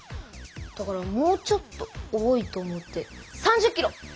だからもうちょっと多いと思って３０キロ！